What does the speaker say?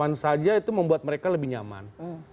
jadi akses kapan saja itu membuat mereka lebih nyaman